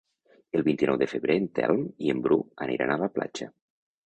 El vint-i-nou de febrer en Telm i en Bru aniran a la platja.